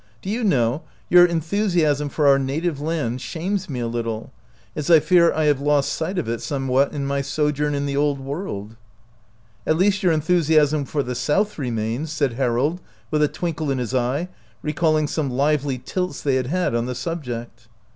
" Do you know, your enthusiasm for our native land shames me a little, as I fear I have lost sight of it somewhat in my sojourn in the Old World." "At least your enthusiasm for the South remains," said Harold, with a twinkle in his eye, recalling some lively tilts they had had on the subject.